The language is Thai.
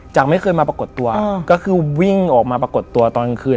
ไม่เคยมาปรากฏตัวก็คือวิ่งออกมาปรากฏตัวตอนกลางคืน